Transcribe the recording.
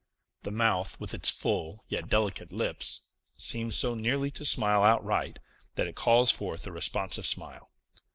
The mouth, with its full yet delicate lips, seems so nearly to smile outright, that it calls forth a responsive smile.